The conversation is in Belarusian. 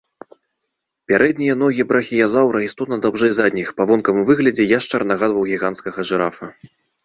Пярэднія ногі брахіязаўра істотна даўжэй задніх, па вонкавым выглядзе яшчар нагадваў гіганцкага жырафа.